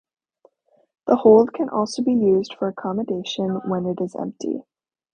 The hold can also be used for accommodation when it is empty.